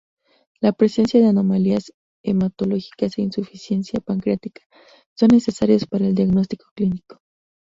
La presencia de anomalías hematológicas e insuficiencia pancreática son necesarias para el diagnostico clínico.